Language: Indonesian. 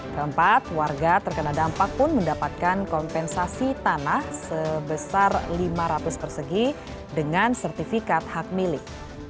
keempat warga terkena dampak pun mendapatkan kompensasi tanah sebesar lima ratus persegi dengan sertifikat hak milik